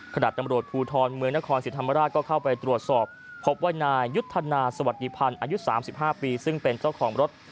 ตำรวจภูทรเมืองนครศรีธรรมราชก็เข้าไปตรวจสอบพบว่านายยุทธนาสวัสดีพันธ์อายุ๓๕ปีซึ่งเป็นเจ้าของรถ